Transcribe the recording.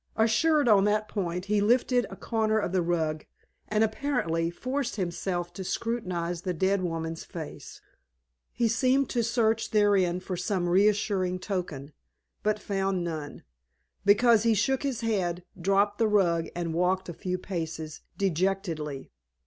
Assured on that point, he lifted a corner of the rug, and, apparently, forced himself to scrutinize the dead woman's face. He seemed to search therein for some reassuring token, but found none, because he shook his head, dropped the rug, and walked a few paces dejectedly.